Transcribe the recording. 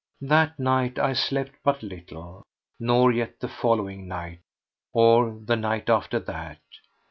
That night I slept but little, nor yet the following night, or the night after that.